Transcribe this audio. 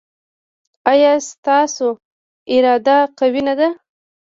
ایا ستاسو اراده قوي نه ده؟